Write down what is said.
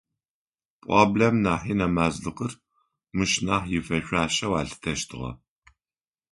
Пӏуаблэм нахьи нэмазлыкъыр мыщ нахь ифэшъуашэу алъытэщтыгъэ.